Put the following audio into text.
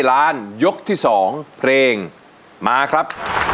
ล้านยกที่๒เพลงมาครับ